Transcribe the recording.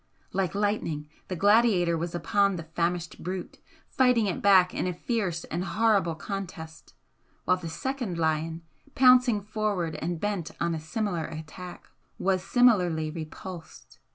Like lightning, the gladiator was upon the famished brute, fighting it back in a fierce and horrible contest, while the second lion, pouncing forward and bent on a similar attack, was similarly repulsed.